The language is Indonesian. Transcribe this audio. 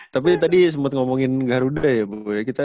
tapi tadi sempet ngomongin garuda ya bu